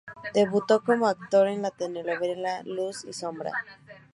Debutó como actor en la telenovela "Luz y sombra".